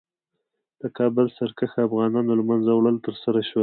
د کابل سرکښه افغانانو له منځه وړل ترسره شول.